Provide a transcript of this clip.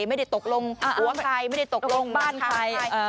ไม่ได้ตกลงผัวใครไม่ได้ตกลงบ้านใคร